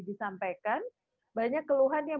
disampaikan banyak keluhan yang